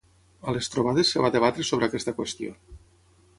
A les trobades es va debatre sobre aquesta qüestió.